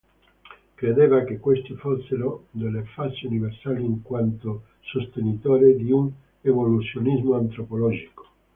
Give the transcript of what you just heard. Credeva che questi fossero delle fasi universali in quanto sostenitore di un evoluzionismo antropologico.